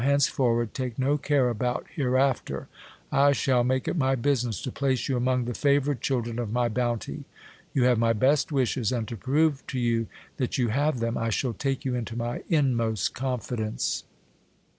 henceforward take no care about here after ; I shall make it my business to place you among the favoured children of my bounty. You have my best wishes ; and to prove to you that you have them, I shall take you into my inmost confidence.